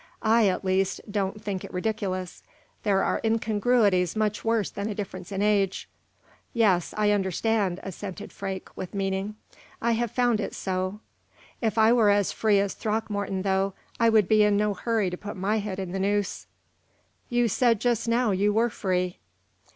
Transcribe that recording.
"I, at least, don't think it ridiculous. There are incongruities much worse than a difference in age." "Yes, I understand," assented Freke, with meaning. "I have found it so. If I were as free as Throckmorton, though, I would be in no hurry to put my head in the noose." "You said just now you were free."